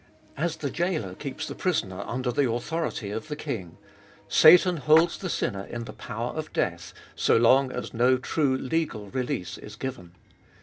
As the jailor keeps the prisoner under the authority of the king, Satan holds the sinner in the power of death so long as no true legal release is given.